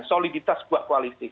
soliditas sebuah koalisi